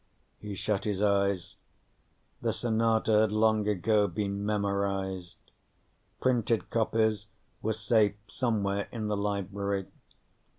He shut his eyes. The sonata had long ago been memorized; printed copies were safe somewhere in the library.